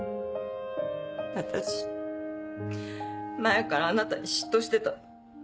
私前からあなたに嫉妬してた。